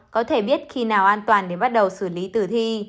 có thể biết khi nào an toàn để bắt đầu xử lý tử thi